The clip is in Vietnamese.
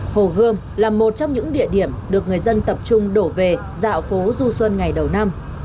hồ gươm là một trong những địa điểm được người dân tập trung đổ về dạo phố du xuân ngày đầu năm